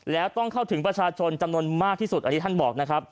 แล้วต้องเข้าถึงประชาชนจำนวนมากที่สุดอันนี้ท่านบอกนะครับ